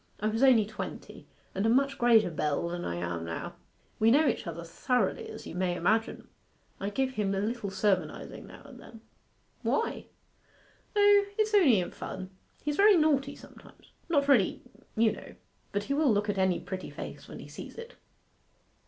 I was only twenty, and a much greater belle than I am now. We know each other thoroughly, as you may imagine. I give him a little sermonizing now and then.' 'Why?' 'O, it's only in fun. He's very naughty sometimes not really, you know but he will look at any pretty face when he sees it.